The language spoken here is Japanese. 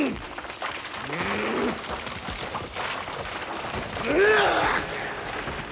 うわ！